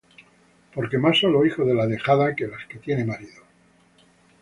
Porque más son los hijos de la dejada, que de la que tiene marido.